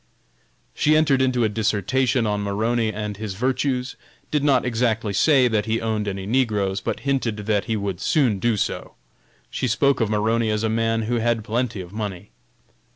She entered into a dissertation on Maroney and his virtues; did not exactly say that he owned any negroes, but hinted that he would soon do so. She spoke of Maroney as a man who had plenty of money.